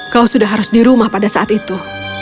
kau sudah harus di rumah pada saat itu